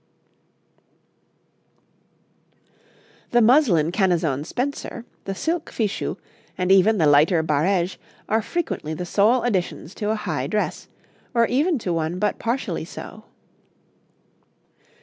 'The muslin Canezon spencer, the silk fichu, and even the lighter barêge, are frequently the sole additions to a high dress, or even to one but partially so.